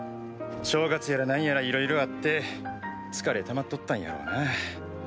正月やら何やらいろいろあってつかれたまっとったんやろうな。